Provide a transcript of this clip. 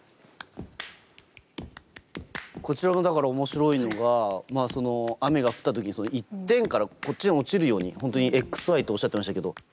こちらのだから面白いのが雨が降った時に一点からこっちに落ちるように本当にＸＹっておっしゃってましたけど。